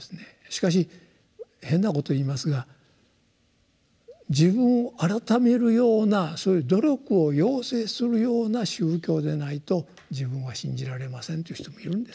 しかし変なことを言いますが自分を改めるようなそういう努力を要請するような宗教でないと自分は信じられませんという人もいるんですよ。